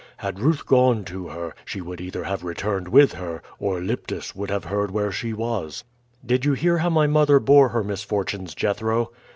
Had Ruth gone to her, she would either have returned with her, or Lyptis would have heard where she was." "Did you hear how my mother bore her misfortunes, Jethro?"